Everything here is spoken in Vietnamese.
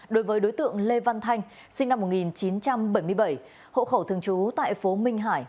đối với đối tượng lê văn thanh sinh năm một nghìn chín trăm bảy mươi bảy hộ khẩu thường trú tại phố minh hải